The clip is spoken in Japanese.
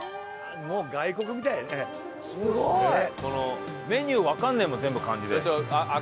すごい！メニューわかんないもん全部漢字で。